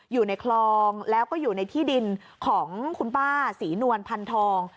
อยู่ในคลองแล้วก็อยู่ในที่ดินของคุณป้าศรีนวลพันธอง